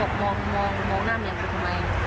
บอกว่ามองหน้าเมียเขาทำไม